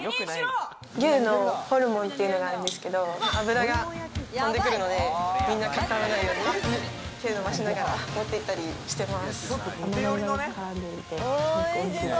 牛のホルモンっていうのがあるんですけど、油が飛んでくるのでみんな、かからないように手を伸ばしながら持って行ったりしてます。